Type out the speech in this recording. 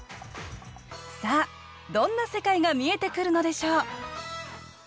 さあどんな世界が見えてくるのでしょう